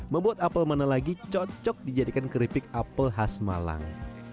membuat apel mana lagi cocok dijadikan keripik apel khas malang